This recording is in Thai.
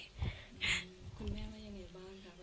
คุณแม่ว่ายังไงบ้างคะ